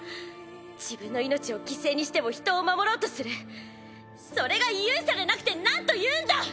自分の命を犠牲にしても人を守ろうとするそれが勇者でなくてなんと言うんだ！